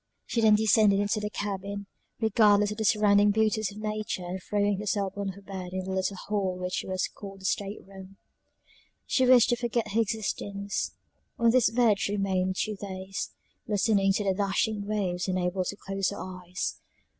She then descended into the cabin, regardless of the surrounding beauties of nature, and throwing herself on her bed in the little hole which was called the state room she wished to forget her existence. On this bed she remained two days, listening to the dashing waves, unable to close her eyes.